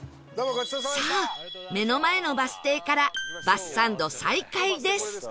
さあ目の前のバス停からバスサンド再開です